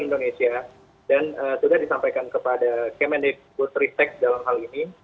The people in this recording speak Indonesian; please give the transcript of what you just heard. indonesia dan juga disampaikan kepada kemenko tiga tech dalam hal ini